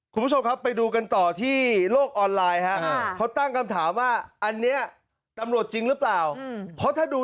ทุกครับไปดูกันต่อที่โลกออนไลน์นะครับเขาตั้งคำถามว่ามันเนี่ยตำรวจจริงหรือเปล่าเธอดู